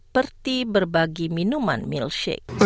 bertie berbagi minuman milkshake